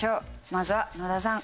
まずは野田さん。